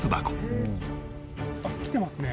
あっ来てますね。